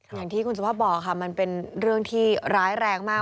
อย่างที่คุณสุภาพบอกค่ะมันเป็นเรื่องที่ร้ายแรงมาก